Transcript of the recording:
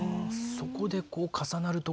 そこで重なると。